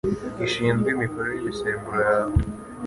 gishinzwe imikorere y'imisemburo yawe